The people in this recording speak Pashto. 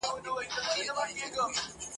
زړه دي خپل خدای نګهبان دی توکل کوه تېرېږه !.